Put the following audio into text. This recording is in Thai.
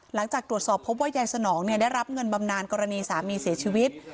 หลังจากตรวจสอบพบว่ายายสนองได้รับเงินบำนานกรณีสามีเสียชีวิต